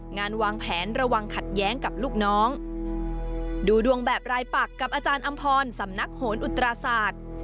งานวางแผนระวังขัดแย้งกับลูกน้องดูดวงแบบรายปักกับอาจารย์อำพรสำนักโหนอุตราศาสตร์